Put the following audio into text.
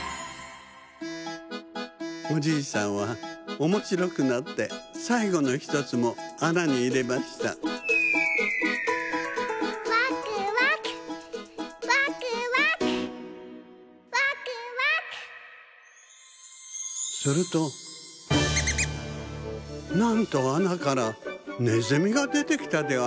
おじいさんはおもしろくなってさいごの１つもあなにいれましたするとなんとあなからねずみがでてきたではありませんか。